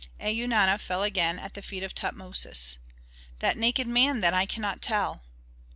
Eunana fell again at the feet of Tutmosis. "That naked man that I cannot tell."